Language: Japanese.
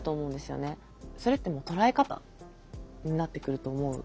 それってもう捉え方になってくると思う。